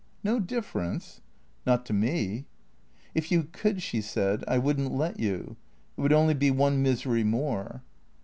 " No difference ?"" Not to me." " If you could," she said, " I would n't let you. It would only be one misery more."